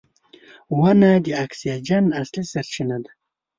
• ونه د اکسیجن اصلي سرچینه ده.